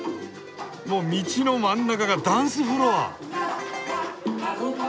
もう道の真ん中がダンスフロア！